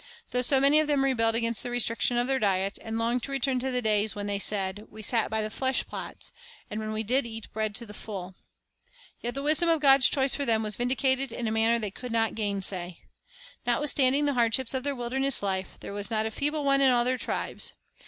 Though so many of them rebelled against the restriction of their diet, and longed to return to the days when, they said, "We sat by the flesh pots, and when we did eat bread to the full," 2 yet the wisdom of God's choice for them was vindicated in a manner they could not gainsay. Notwithstanding the hardships of their wilder ness life, there was not a feeble one in all their tribes.